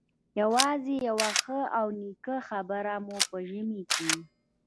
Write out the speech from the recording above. یوازې یوه ښه او نېکه خبره مو په ژمي کې.